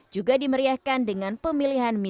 juga dimeriahkan dengan pemilihan